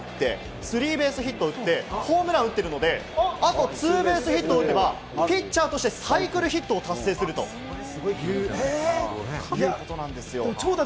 皆さん、お気づきかわかりませんけど、実はこれヒットを打って、スリーベースヒットを打って、ホームランを打ってるので、あとツーベースヒット打てばピッチャーとしてサイクルヒットを達成するということです。